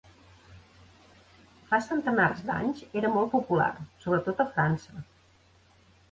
Fa centenars d'anys era molt popular, sobretot a França.